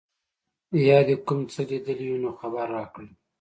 یا دي کوم څه لیدلي وي نو خبر راکړه.